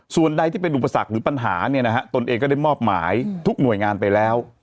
ส่วนใดที่เป็นอุปสรรคหรือปัญหาเนี่ยนะฮะตนเองก็ได้มอบหมายทุกหน่วยงานไปแล้ว